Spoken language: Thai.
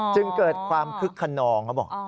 จึงเกิดความคึกขนองเขาบอก